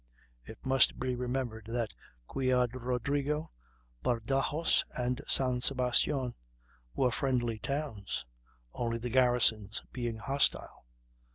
It must be remembered that Ciudad Rodrigo, Badajos, and San Sebastian were friendly towns, only the garrisons being hostile.